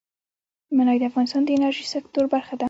منی د افغانستان د انرژۍ سکتور برخه ده.